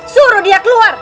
suruh dia keluar